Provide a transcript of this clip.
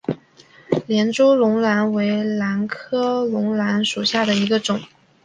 连珠绒兰为兰科绒兰属下的一个种。